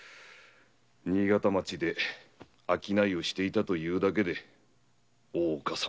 新潟町で商いをしていたというだけで大岡様と同罪です。